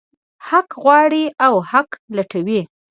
حق غواړي او حق لټوي.